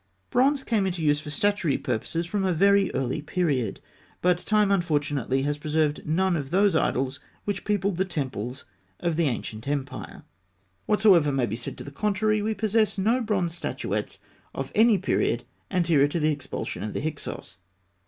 ] Bronze came into use for statuary purposes from a very early period; but time unfortunately has preserved none of those idols which peopled the temples of the ancient empire. Whatsoever may be said to the contrary, we possess no bronze statuettes of any period anterior to the expulsion of the Hyksos.